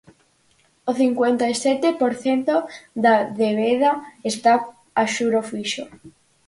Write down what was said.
O cincuenta e sete por cento da débeda está a xuro fixo.